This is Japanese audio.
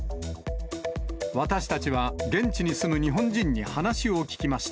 私たちは現地に住む日本人に話を聞きました。